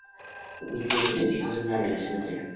Will tiene tres hijos de una relación anterior.